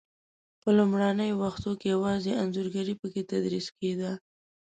په لومړنیو وختو کې یوازې انځورګري په کې تدریس کېده.